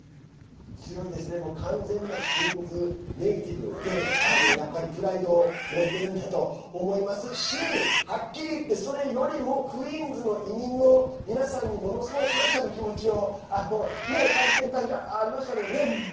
強いですね、もう完全なクイーンズネイティブでやっぱり、プライドを持っているんだと思いますしはっきり言って、それよりもクイーンズの移民の皆さんにものすごい感謝の気持ちを感じている感じがありましたもんね。